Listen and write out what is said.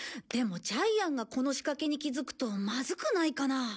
でもジャイアンがこの仕掛けに気づくとまずくないかな？